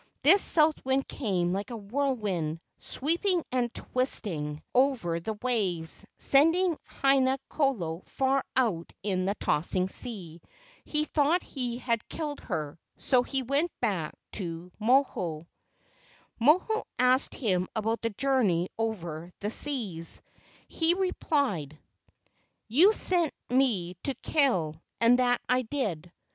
This south wind came like a whirlwind, sweeping and twisting * Cordia subcordata. 194 LEGENDS OF GHOSTS over the waves, sending Haina kolo far out in the tossing sea. He thought he had killed her, so he went back to Moho. Moho asked him about his journey over the seas. He replied, "You sent me to kill, and that I did."